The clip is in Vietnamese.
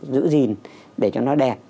giữ gìn để cho nó đẹp